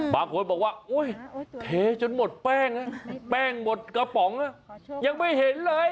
บางคนบอกว่าเทจนหมดแป้งนะแป้งหมดกระป๋องยังไม่เห็นเลย